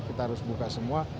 kita harus buka semua